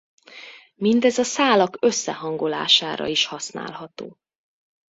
Mindez a szálak összehangolására is használható.